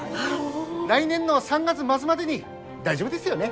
来年の３月末までに大丈夫ですよね？